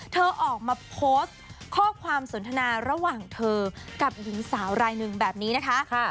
เธอออกมาโพสต์ข้อความสนทนาระหว่างเธอกับหญิงสาวรายหนึ่งแบบนี้นะคะ